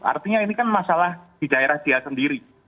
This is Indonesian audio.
artinya ini kan masalah di daerah dia sendiri